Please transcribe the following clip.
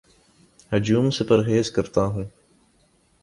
ہجوم سے پرہیز کرتا ہوں